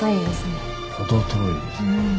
程遠いですね。